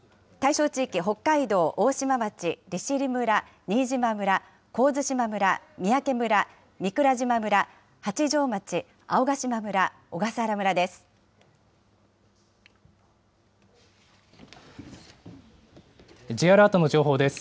対象地域、北海道、大島町、村、新島村、神津島村、三宅村、御蔵島村、八丈町、青ヶ島村、小笠原村です。